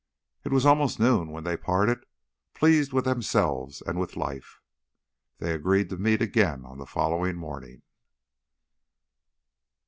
It was almost noon when they parted, pleased with themselves and with life. They agreed to meet again on the following morning.